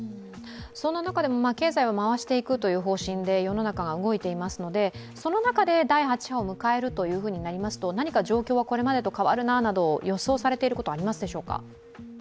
そんな中で経済を回していくという方針で世の中が動いていますので、その中で第８波を迎えるとなりますと、何か状況はこれまでと変わるななど予想されていることはありますか？